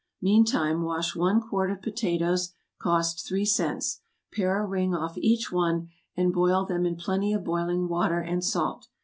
Meantime wash one quart of potatoes, (cost three cents,) pare a ring off each one, and boil them in plenty of boiling water and salt.